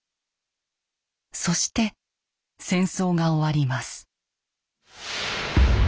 そして戦争が終わります。